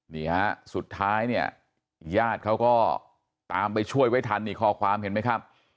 นี่ฮะสุดท้ายเนี่ยญาติเขาก็ตามไปช่วยไว้ทันนี่ข้อความเห็นไหมครับ